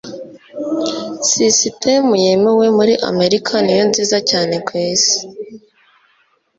sisitemu yemewe muri amerika niyo nziza cyane kwisi